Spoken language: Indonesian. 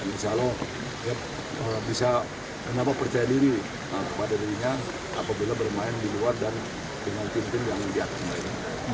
insya allah bisa kenapa percaya diri kepada dirinya apabila bermain di luar dan dengan tim tim yang dia akan main